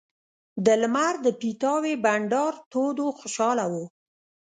د لمر د پیتاوي بنډار تود و خوشاله وو.